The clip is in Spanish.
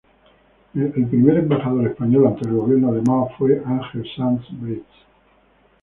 El primer embajador español ante el gobierno de Mao fue Ángel Sanz Briz.